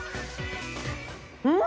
うん？